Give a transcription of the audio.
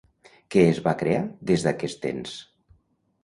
Què es va crear des d'aquest ens?